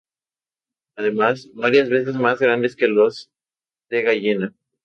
Además, varias veces más grandes que los de gallina.